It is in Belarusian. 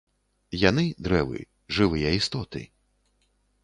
Яны, дрэвы, —жывыя істоты.